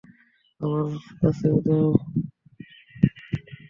আমার কাছে দাও।